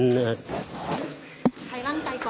ใครนั่งใจก่อน